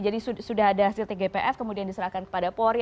jadi sudah ada hasil tgpf kemudian diserahkan kepada polri